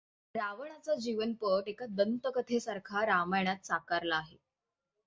रावणाचा जीवनपट एका दंतकथेसारखा रामायणात साकारला आहे.